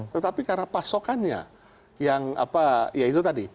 tetapi karena pasokannya yang apa ya itu tadi